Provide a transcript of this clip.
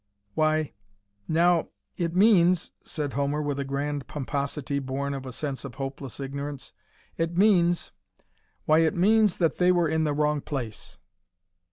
"Why now it means," said Homer, with a grand pomposity born of a sense of hopeless ignorance "it means why it means that they were in the wrong place."